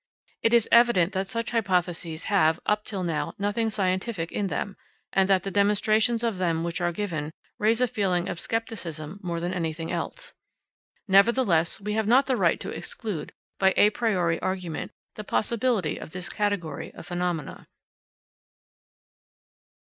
It is evident that such hypotheses have, up till now, nothing scientific in them, and that the demonstrations of them which are given raise a feeling of scepticism more than anything else. Nevertheless, we have not the right to exclude, by a priori argument, the possibility of this category of phenomena.